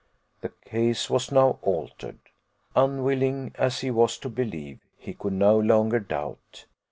The case was now altered. Unwilling as he was to believe, he could no longer doubt.